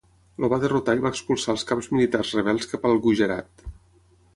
El va derrotar i va expulsar als caps militars rebels cap al Gujarat.